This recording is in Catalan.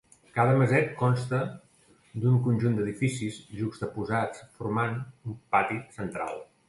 Cada maset consta d'un conjunt d'edificis juxtaposats formant un pati central.